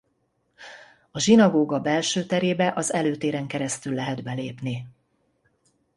A zsinagóga belső terébe az előtéren keresztül lehet belépni.